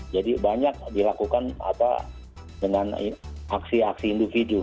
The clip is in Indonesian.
jadi banyak dilakukan apa dengan aksi aksi individu